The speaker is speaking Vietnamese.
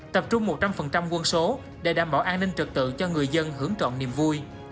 tập trung một trăm linh quân số để đảm bảo an ninh trật tự cho người dân hưởng trọng niềm vui